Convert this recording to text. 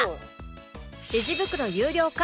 レジ袋有料化